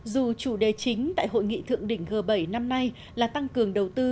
dù chủ đề chính tại hội nghị thượng đỉnh g bảy năm nay là tăng cường đầu tư